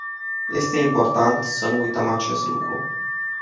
Este important să nu uităm acest lucru.